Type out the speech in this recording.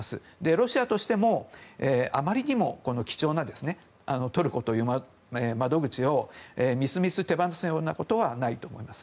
ロシアとしてもあまりにも貴重なトルコという窓口をみすみす手放すようなことはないと思います。